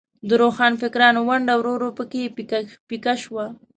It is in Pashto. د روښانفکرانو ونډه ورو ورو په کې پیکه شوه.